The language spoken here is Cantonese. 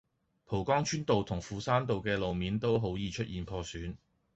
蒲崗村道同斧山道嘅路面都好易出現破損